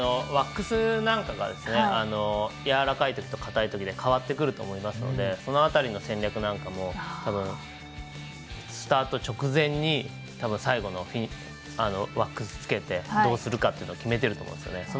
ワックスなんかがやわらないときと、かたいときで変わってくると思いますのでその辺りの戦略なんかもスタート直前にワックスつけてどうするかっていうのを決めてるかと思いますね。